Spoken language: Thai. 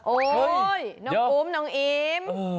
โอ๊ยน้องอุ้มน้องอิม